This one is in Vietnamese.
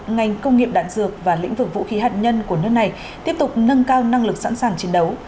ngành công nghiệp đạn dược và lĩnh vực vũ khí hạt nhân của nước này tiếp tục nâng cao năng lực sẵn sàng chiến đấu